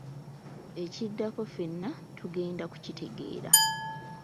Ekiddako ffenna tugenda ku kitegera.